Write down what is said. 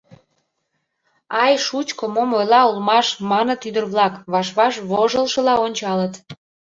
— Ай, шучко, мом ойла улмаш! — маныт ӱдыр-влак, ваш-ваш вожылшыла ончалыт.